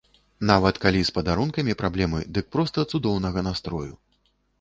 Нават калі з падарункамі праблемы, дык проста цудоўнага настрою.